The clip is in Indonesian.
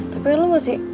tapi lo masih